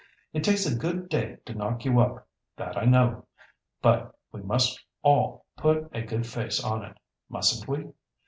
It takes a good day to knock you up, that I know. But we must all put a good face on it—mustn't we?